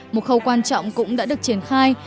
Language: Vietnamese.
một khâu quan trọng cũng đã được triển khai